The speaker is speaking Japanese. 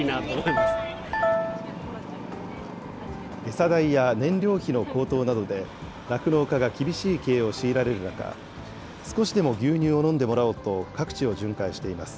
餌代や燃料費の高騰などで、酪農家が厳しい経営を強いられる中、少しでも牛乳を飲んでもらおうと各地を巡回しています。